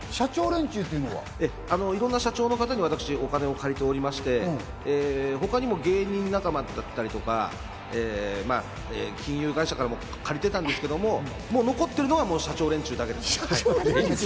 いろんな社長の方に私お金を借りておりまして、他にも芸人仲間だったりとか、金融会社からも借りてたんですけれども、残ってるのは社長連中だけ。